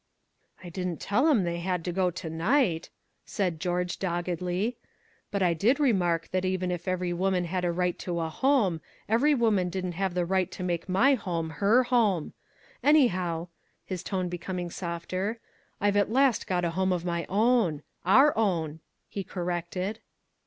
"I didn't tell 'em they had to go tonight," said George doggedly. "But I did remark that even if every woman had a right to a home, every woman didn't have the right to make my home her home. Anyhow," his tone becoming softer, "I've at last got a home of my own. Our own," he corrected.